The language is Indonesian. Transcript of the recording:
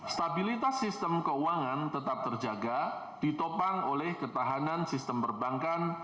stabilitas sistem keuangan tetap terjaga ditopang oleh ketahanan sistem perbankan